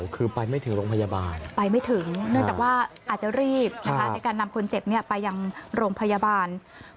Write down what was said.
คือไปไม่ถึงโรงพยาบาล